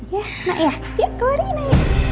ya nak ya yuk keluarin aja